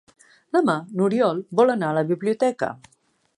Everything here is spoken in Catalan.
Demà n'Oriol vol anar a la biblioteca.